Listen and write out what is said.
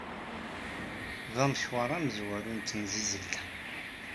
D amecwar amezwaru n temsizzelt-a.